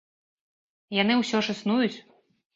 Яны ўсё ж існуюць!?